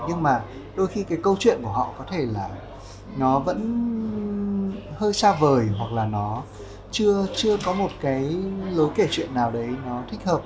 nhưng mà đôi khi cái câu chuyện của họ có thể là nó vẫn hơi xa vời hoặc là nó chưa có một cái lối kể chuyện nào đấy nó thích hợp